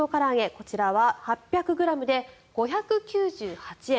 こちらは８００ｇで５９８円。